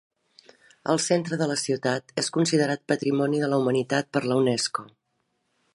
El centre de la ciutat és considerat Patrimoni de la Humanitat per la Unesco.